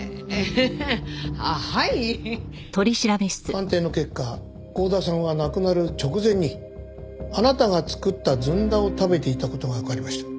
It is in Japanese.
鑑定の結果郷田さんは亡くなる直前にあなたが作ったずんだを食べていた事がわかりました。